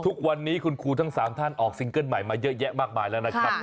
ทุกวันนี้คุณครูทั้ง๓ท่านออกซิงเกิ้ลใหม่มาเยอะแยะมากมายแล้วนะครับ